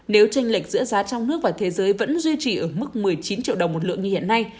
nếu tranh lệch giữa giá trong nước và thế giới vẫn duy trì ở mức một mươi chín triệu đồng một lượng như hiện nay